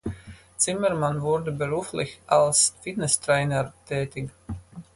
Zimmermann wurde beruflich als Fitnesstrainer tätig.